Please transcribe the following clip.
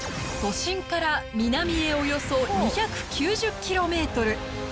都心から南へおよそ２９０キロメートル。